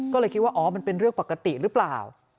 ก็เลยคิดว่าอ๋อมันเป็นเรื่องปกติหรือเปล่า